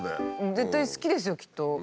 絶対好きですよきっと。